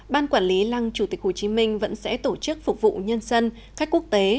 ban quản lý lăng chủ tịch hồ chí minh vẫn sẽ tổ chức phục vụ nhân dân khách quốc tế